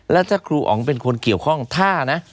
แล้วถ้าครูอ๋องเป็นคนเกี่ยวข้องถ้านะ